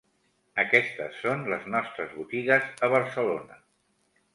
Aquestes són les nostres botigues a Barcelona:.